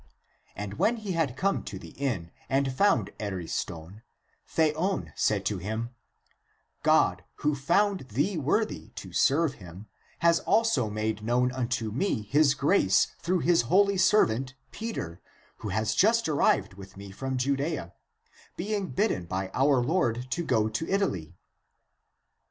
And when he had come to the inn and found Ariston, Theon said to him, " God, who found thee worthy to serve him, has also made known unto me his grace through his holy servant, Peter, who has just arrived with me from Judjea, being bidden by our Lord to go to Italy."